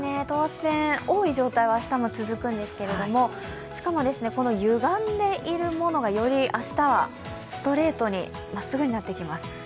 等圧線、多い状態が明日も続くんですけど、しかも、ゆがんでいるものが、より明日はストレートに、まっすぐになっていきます